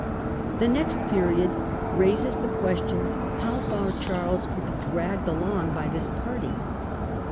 The next period raises the question how far Charles could be dragged along by this party.